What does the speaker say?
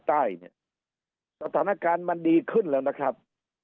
ใต้เนี่ยสถานการณ์มันดีขึ้นแล้วนะครับ